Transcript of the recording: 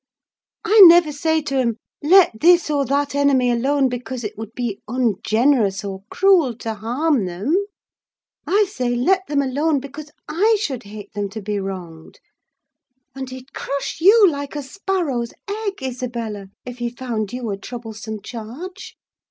I never say to him, 'Let this or that enemy alone, because it would be ungenerous or cruel to harm them;' I say, 'Let them alone, because I should hate them to be wronged:' and he'd crush you like a sparrow's egg, Isabella, if he found you a troublesome charge.